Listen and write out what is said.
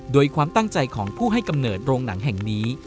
โดยความตั้งใจของผู้ให้กำเนิดโรงหนังแห่งนี้